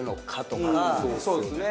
そうですね。